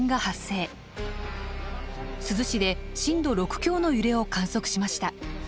珠洲市で震度６強の揺れを観測しました。